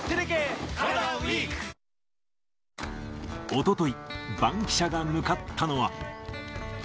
おととい、バンキシャ！が向かったのは。